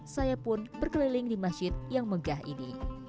saya pun berkeliling di masjid yang megah ini